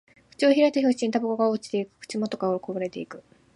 口を開いた拍子にタバコが落ちていく。口元からこぼれていく。